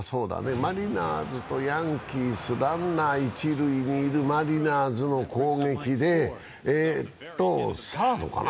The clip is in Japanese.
マリナーズとヤンキースランナー・一塁にいるマリナーズの攻撃でサードかな？